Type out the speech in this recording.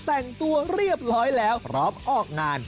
แต่งตัวเรียบร้อยแล้วพร้อมออกงาน